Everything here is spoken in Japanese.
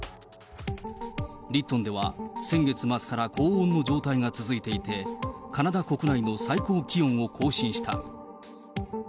リットンでは先月末から高温の状態が続いていて、カナダ国内の最高気温を更新した。